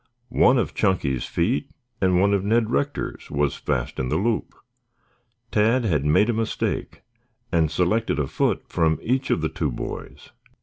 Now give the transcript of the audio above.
One of Chunky's feet and one of Ned Rector's was fast in the loop. Tad had made a mistake and selected a foot from each of the two boys.